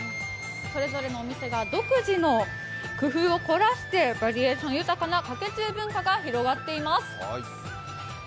それぞれのお店が独自の工夫を凝らしてバリエーション豊かなかけ中文化が広がっています。